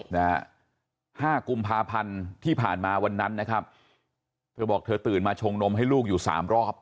ห้ากุมภาพันธ์ที่ผ่านมาวันนั้นนะครับเธอบอกเธอตื่นมาชงนมให้ลูกอยู่สามรอบ